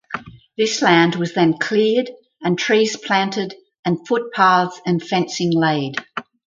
This land was then cleared and trees planted and footpaths and fencing laid.